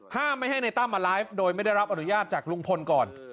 ไม่ให้ในตั้มมาไลฟ์โดยไม่ได้รับอนุญาตจากลุงพลก่อน